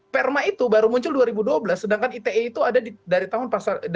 perma itu baru muncul dua ribu dua belas sedangkan ite itu ada dari tahun pasal delapan